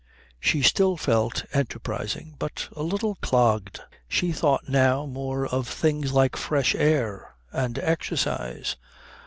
She still felt enterprising, but a little clogged. She thought now more of things like fresh air and exercise.